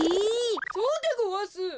そうでごわす。